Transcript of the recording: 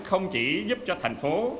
không chỉ giúp cho thành phố